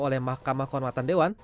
oleh mahkamah konwatan dewan